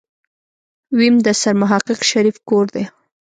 ويم د سرمحقق شريف کور دی.